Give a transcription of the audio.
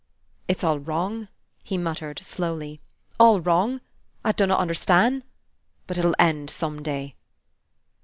"It's all wrong," he muttered, slowly, "all wrong! I dunnot understan'. But it'll end some day."